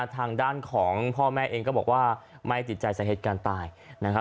ทางด้านของพ่อแม่เองก็บอกว่าไม่ติดใจสาเหตุการณ์ตายนะครับ